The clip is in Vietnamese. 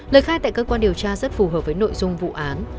lời khai tại cơ quan điều tra rất phù hợp với nội dung vụ án